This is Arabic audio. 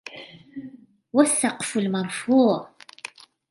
والسقف المرفوع